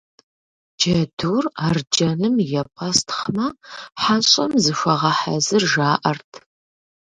Джэдур арджэным епӀэстхъмэ, хьэщӀэм зыхуэгъэхьэзыр жаӏэрт.